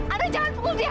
andre jangan pukul dia